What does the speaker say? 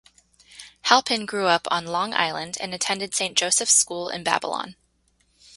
Halpin grew up on Long Island and attended Saint Joseph's School in Babylon.